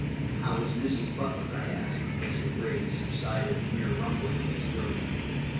"How is Mrs. Butler?" I asked, as his rage subsided to mere rumbling in his throat.